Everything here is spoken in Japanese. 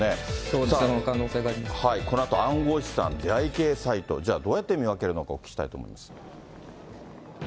そうですね、このあと暗号資産、出会い系サイト、じゃあどうやって見分けるのか、お聞きしたいと思います。